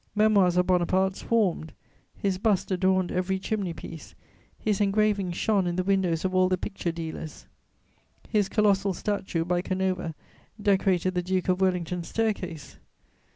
Memoirs of Bonaparte swarmed; his bust adorned every chimney piece; his engravings shone in the windows of all the picture dealers; his colossal statue, by Canova, decorated the Duke of Wellington's stair case.